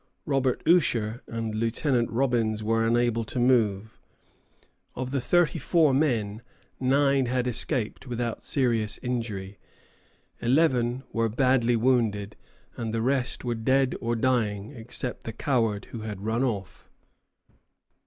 Robert Usher and Lieutenant Robbins were unable to move. Of the thirty four men, nine had escaped without serious injury, eleven were badly wounded, and the rest were dead or dying, except the coward who had run off.